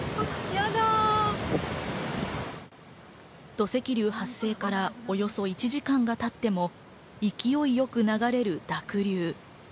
土石流発生から、およそ１時間が経っても勢いよく流れる濁流。